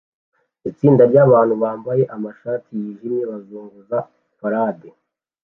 Itsinda ryabantu bambaye amashati yijimye bazunguza parade